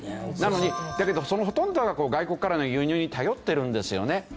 なのにだけどそのほとんどが外国からの輸入に頼ってるんですよね。